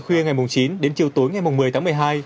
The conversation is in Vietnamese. khuya ngày chín đến chiều tối ngày một mươi tháng một mươi hai